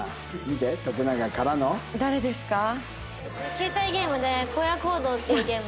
携帯ゲームで『荒野行動』っていうゲーム。